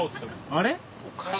あれ？